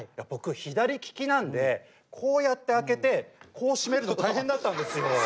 僕左利きなんでこうやって開けてこう閉めるの大変だったんですよ。